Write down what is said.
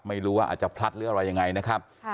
ไม่รู้ว่าอาจจะพลัดหรืออะไรยังไงนะครับ